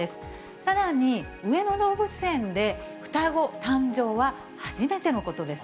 さらに、上野動物園で双子誕生は初めてのことです。